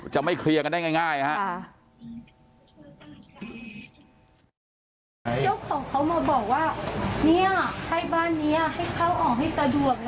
จะไม่เคลียร์กันได้ง่ายครับ